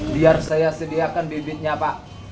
biar saya sediakan bibitnya pak